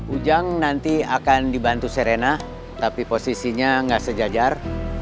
ujang nanti akan dibantu serena tapi posisinya nggak sejajar